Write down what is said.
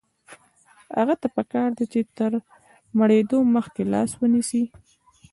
هغه ته پکار ده چې تر مړېدو مخکې لاس ونیسي.